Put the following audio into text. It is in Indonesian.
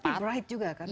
tapi bright juga kan